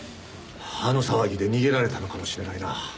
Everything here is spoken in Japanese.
あの騒ぎで逃げられたのかもしれないな。